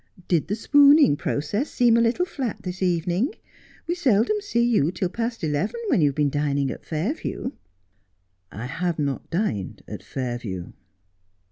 ' Did the spooning process seem a little flat this evening ] We seldom see you till past eleven when you have been dining at Fairview.' ' I have not dined at Fairview.'